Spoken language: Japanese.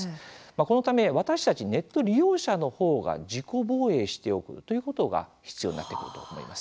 このため私たちネット利用者の方が自己防衛しておくということが必要になってくると思います。